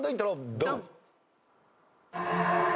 ドン！